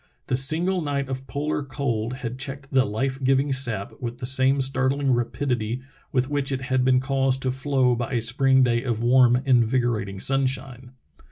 The single night of polar cold had checked the life giving sap with the same startling rapidit}' with which it had been caused to flow by a spring day of warm, invigorating sunshine.